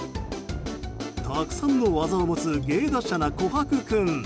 たくさんの技を持つ芸達者な琥珀君。